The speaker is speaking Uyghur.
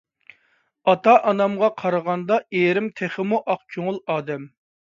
ئاتا - ئانامغا قارىغاندا ئېرىم تېخىمۇ ئاق كۆڭۈل ئادەم.